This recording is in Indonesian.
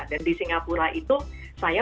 dan di singapura itu saya